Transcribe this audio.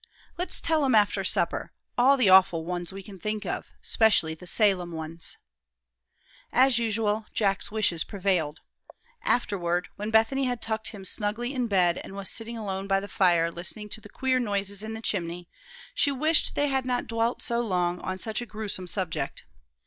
Let's tell 'em after supper, all the awful ones we can think of, 'specially the Salem ones." As usual, Jack's wishes prevailed. Afterward, when Bethany had tucked him snugly in bed, and was sitting alone by the fire, listening to the queer noises in the chimney, she wished they had not dwelt so long on such a grewsome subject.